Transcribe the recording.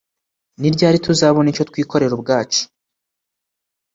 Ni ryari tuzabona icyo twikorera ubwacu